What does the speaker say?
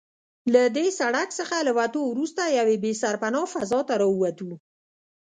له دې سړک څخه له وتو وروسته یوې بې سرپنا فضا ته راووتو.